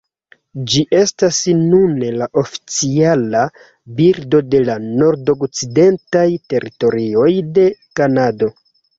Ĝi estas nune la oficiala birdo de la Nordokcidentaj Teritorioj de Kanado.